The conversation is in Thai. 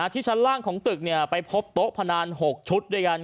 ที่ชั้นล่างของตึกไปพบโต๊ะพนัน๖ชุดด้วยกัน